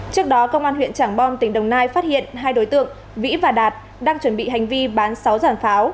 trước đó công an huyện trảng bom tỉnh đồng nai phát hiện hai đối tượng vĩ và đạt đang chuẩn bị hành vi bán sáu giàn pháo